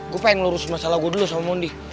gue pengen lurusin masalah gue dulu sama mondi